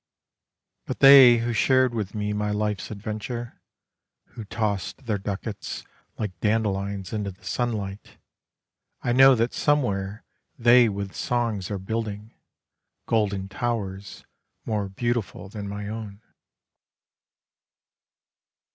But they who shared with me my life's adventure, Who tossed their ducats like dandelions into the sunlight, I know that somewhere they with songs are building, Golden towers more beautiful than my own.